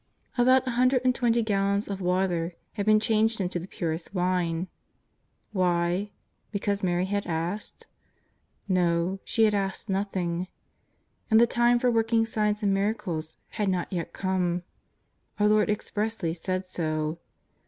About a hundred and twenty gallons of water had been changed into the purest Avine. Wliy? Because Mary had asked ? Iso, she had asked nothing. And the time for working signs and miracles had not yet come. Our Lord expressly said so.